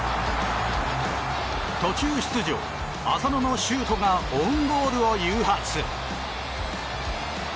途中出場、浅野のシュートがオウンゴールを誘発！